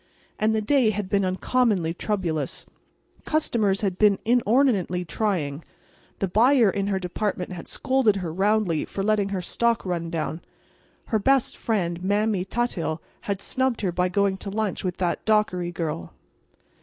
And the day had been uncommonly troublous. Customers had been inordinately trying; the buyer in her department had scolded her roundly for letting her stock run down; her best friend, Mamie Tuthill, had snubbed her by going to lunch with that Dockery girl.